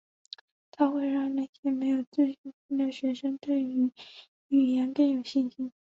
它会让那些没有自信心的学生对于语言更有信心。